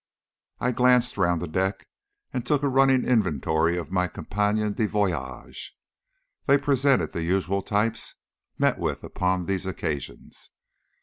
I glanced round the deck and took a running inventory of my compagnons de voyage. They presented the usual types met with upon these occasions.